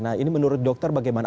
nah ini menurut dokter bagaimana